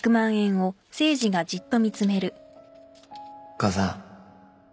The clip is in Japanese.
母さん